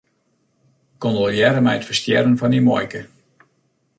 Kondolearre mei it ferstjerren fan dyn muoike.